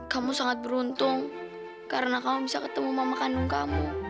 kamu sangat beruntung karena kamu bisa ketemu mama kandung kamu